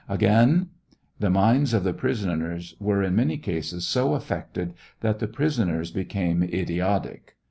Again : The minds of the prisoners were, in many cases, so affected that the prisoners became idiotic.